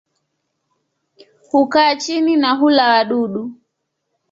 Hukaa chini na hula wadudu.